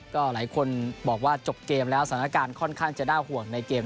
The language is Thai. ก็หลายคนบอกว่าจบเกมแล้วสอนาการค่อนข้างค่อนจะได้ห่วงในเกม